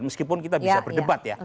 meskipun kita bisa berdebat ya